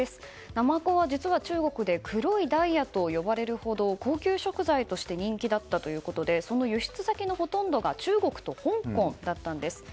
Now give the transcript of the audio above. ナマコは、実は中国で黒いダイヤと呼ばれるほど高級食材として人気だったということでその輸出先のほとんどが中国と香港だったんです。